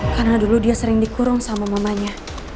karena dulu dia sering dikurung sama mamanya